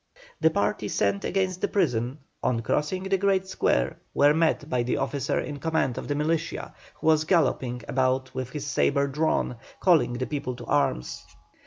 The party sent against the prison on crossing the great square were met by the officer in command of the militia, who was galloping about with his sabre drawn, calling the people to arms.